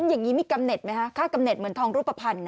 อย่างนี้มีกำเน็ตไหมคะค่ากำเนิดเหมือนทองรูปภัณฑ์